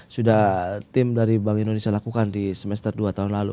sudah tim dari bank indonesia lakukan di semester dua tahun lalu